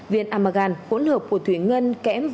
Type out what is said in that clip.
viện amargan khuẩn hợp của thủy ngân